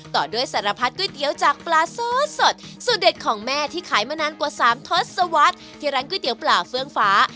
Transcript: ต่อด้วยสารพัดก๋วยเตี๋ยวจากปลาซอสสดสูตรเด็ดของแม่ที่ขายมานานกว่า๓ทศวรรษที่ร้านก๋วยเตี๋ยวปลาเฟื่องฟ้า